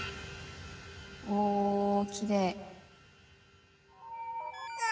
おおきれい。